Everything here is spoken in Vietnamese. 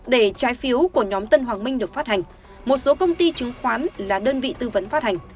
để trái phiếu của nhóm tân hoàng minh được phát hành một số công ty chứng khoán là đơn vị tư vấn phát hành